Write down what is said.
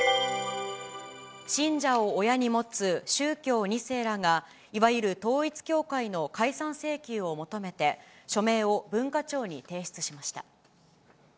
信者を親に持つ宗教２世らが、いわゆる統一教会の解散請求を求めて、署名を文化庁に提出しました。